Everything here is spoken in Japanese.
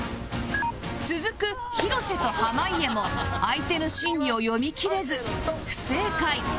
続く広瀬と濱家も相手の心理を読みきれず不正解